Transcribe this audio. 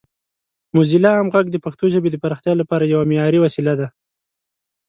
موزیلا عام غږ د پښتو ژبې د پراختیا لپاره یوه معیاري وسیله ده.